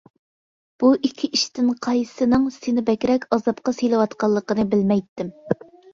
بۇ ئىككى ئىشتىن قايسىسىنىڭ سېنى بەكرەك ئازابقا سېلىۋاتقانلىقىنى بىلمەيتتىم.